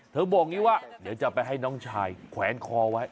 บอกอย่างนี้ว่าเดี๋ยวจะไปให้น้องชายแขวนคอไว้